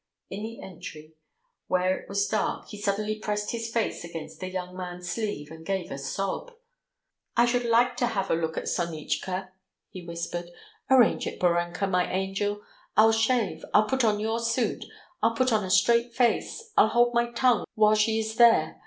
In the entry, where it was dark, he suddenly pressed his face against the young man's sleeve and gave a sob. "I should like to have a look at Sonitchka," he whispered. "Arrange it, Borenka, my angel. I'll shave, I'll put on your suit ... I'll put on a straight face ... I'll hold my tongue while she is there.